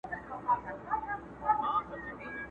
نه په بګړۍ نه په تسپو نه په وینا سمېږي،